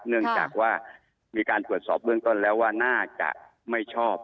เนื่องจากว่ามีการตรวจสอบเบื้องต้นแล้วว่าน่าจะไม่ชอบ